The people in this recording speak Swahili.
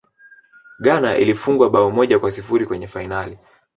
ghana ilifungwa bao moja kwa sifuri kwenye fainali